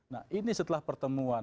nah ini setelah pertemuan